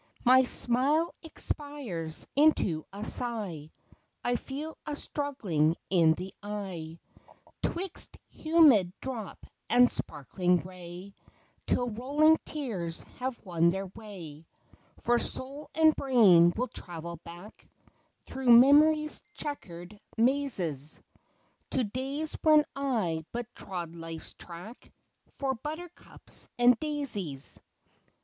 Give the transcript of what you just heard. My smile expires into a sigh, I feel a.struggling in the eye, 'Twixt humid drop and sparkling ray, Till rolling tears have won their way ; For soul and brain will travel back Through Memory's chequered mazes, To days when I but trod Life's track For " Buttercups and Daisies."